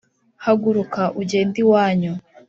haguruka ugende iwanyu